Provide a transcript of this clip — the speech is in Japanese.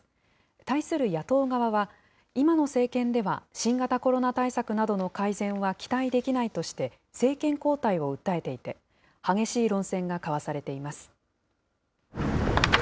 対する野党側は、今の政権では新型コロナ対策などの改善は期待できないとして、政権交代を訴えていて、激しい論戦が交わされています。